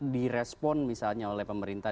direspon misalnya oleh pemerintah